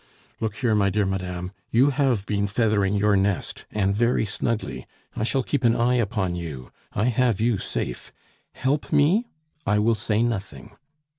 "Look here, my dear madame; you have been feathering your nest, and very snugly. I shall keep an eye upon you; I have you safe. Help me, I will say nothing!